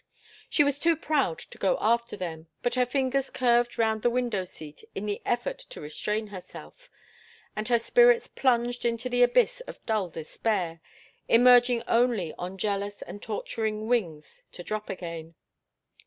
She was too proud to go after them, but her fingers curved round the window seat in the effort to restrain herself, and her spirits plunged into an abyss of dull despair, emerging only on jealous and torturing wings to drop again.